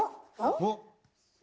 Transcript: おっ？